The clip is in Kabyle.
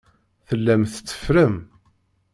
Tellam tetteffrem.